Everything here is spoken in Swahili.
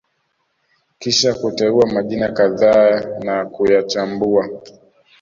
kisha kuteua majina kadhaa na kuyachambua